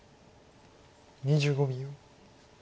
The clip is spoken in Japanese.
２５秒。